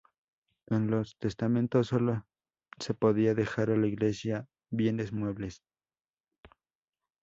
En los testamentos sólo se podía dejar a la Iglesia bienes muebles.